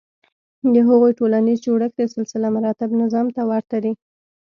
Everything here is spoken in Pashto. د هغوی ټولنیز جوړښت د سلسلهمراتب نظام ته ورته دی.